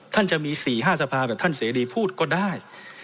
จะมี๔๕สภาแบบท่านเสรีพูดก็ได้